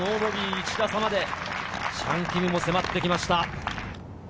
１打差までチャン・キムも迫ってきました。